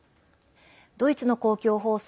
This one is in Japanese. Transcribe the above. ドイツの公共放送